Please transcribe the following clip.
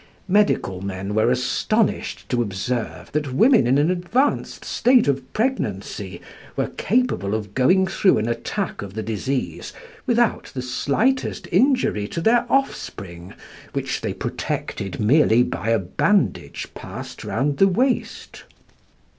Medical men were astonished to observe that women in an advanced state of pregnancy were capable of going through an attack of the disease without the slightest injury to their offspring, which they protected merely by a bandage passed round the waist.